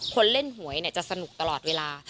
คนเล่นหวยจะสนุกตลอดเวลา